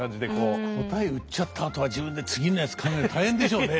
答え売っちゃったあとは自分で次のやつ考えるの大変でしょうね。